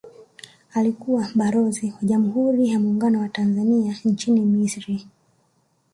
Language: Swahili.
Alikuwa Balozi wa Jamhuri ya Muungano wa Tanzania nchini Misri